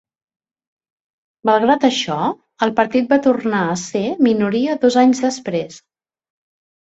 Malgrat això, el partit va tornar a ser minoria dos anys després.